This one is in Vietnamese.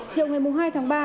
chiều ngày hai tháng ba